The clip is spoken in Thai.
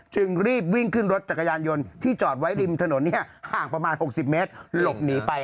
จึงรีบวิ่งขึ้นรถจักรยานยนต์ที่จอดไว้ริมถนนห่างประมาณ๖๐เมตรหลบหนีไป